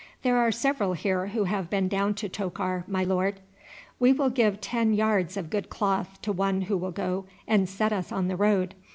"There are several here who have been down to Tokar, my lord." "We will give ten yards of good cloth to one who will go and set us on the road.